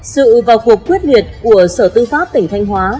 sự vào cuộc quyết liệt của sở tư pháp tỉnh thanh hóa